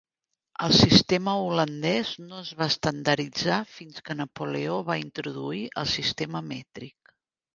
El sistema holandès no es va estandarditzar fins que Napoleó va introduir el sistema mètric.